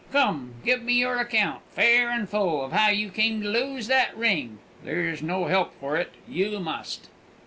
Come, give me your account, fair and full, of how you came to lose that ring; there's no help for it you must!"